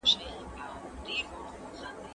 زه مي ټوله ژوندون ومه پوروړی